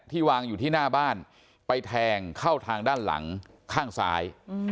วางอยู่ที่หน้าบ้านไปแทงเข้าทางด้านหลังข้างซ้าย